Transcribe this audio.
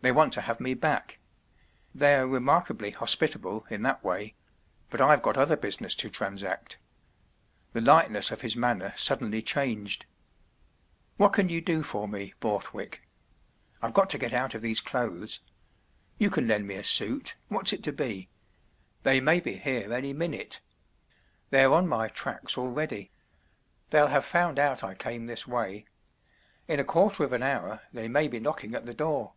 They want to have me back. They’re re¬ markably hospitable in that way; but I’ve got other business to transact.” The lightness of his manner suddenly changed. “ What can you do for me, Borthwick ? I’ve got to get out of these clothes. You can lend me a suit—what’s it to be ? They may be here any minute. They’re on my tracks already. They’ll have found out I came this way. In a quarter of an hour they may be knocking at the door.